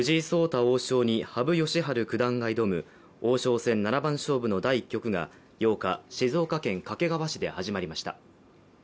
王将に羽生善治九段が挑む王将戦七番勝負の第１局が８日、静岡県掛川市で始まりました。